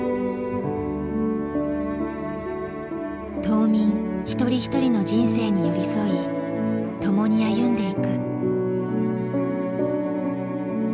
島民一人一人の人生に寄り添い共に歩んでいく。